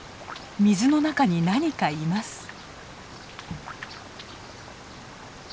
水の中に何かいます。